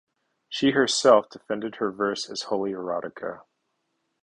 She herself defended her verse as holy erotica.